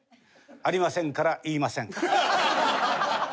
ありませんから言いません。